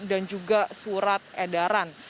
dan juga surat edaran